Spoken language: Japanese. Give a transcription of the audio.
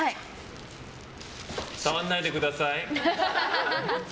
触んないでください。